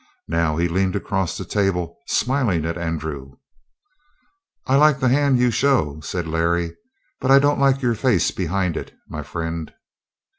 Now he leaned across the table, smiling at Andrew. "I like the hand you show," said Larry, "but I don't like your face behind it, my friend."